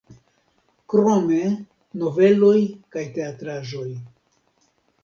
Krome noveloj kaj teatraĵoj.